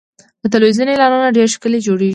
د تلویزیون اعلانونه ډېر ښکلي جوړېږي.